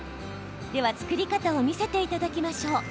では、作り方を見せていただきましょう。